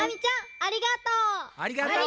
ありがとう！